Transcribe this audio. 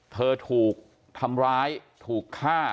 เธอถูกทำร้ายถูกฆ่า